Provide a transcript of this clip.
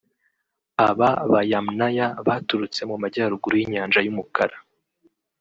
Aba ba Yamnaya baturutse mu majyaruguru y’Inyanja y’umukara